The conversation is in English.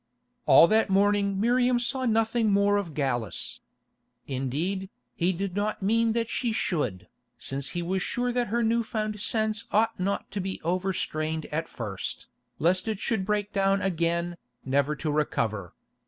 All that morning Miriam saw nothing more of Gallus. Indeed, he did not mean that she should, since he was sure that her new found sense ought not to be overstrained at first, lest it should break down again, never to recover.